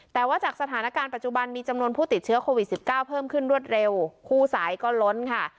แต่ว่าจากสถานการณ์ปัจจุบันมีจำนวนผู้ติดเชื้อโควิด๑๙เพิ่มขึ้นรวดเร็วคู่สายก็ล้นค่ะ